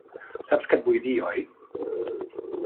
Saps què et vull dir, oi?